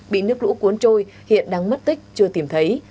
bị nước lũ cuốn trôi hiện đang mất tích chưa tìm thấy